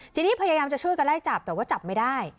ทีนี้พยายามจะช่วยกันไล่จับแต่ว่าจับไม่ได้